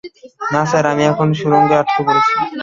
না, স্যার, আমি এখন সুরঙ্গে আটকে পড়েছি।